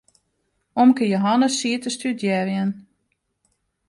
Omke Jehannes siet te studearjen.